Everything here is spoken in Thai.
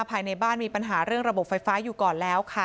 ภายในบ้านมีปัญหาเรื่องระบบไฟฟ้าอยู่ก่อนแล้วค่ะ